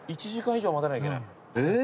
１時間以上待たなきゃいけない。